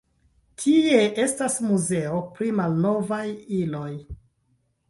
Tie estas muzeo pri malnovaj iloj.